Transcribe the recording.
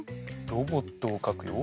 ロボットをかくよ。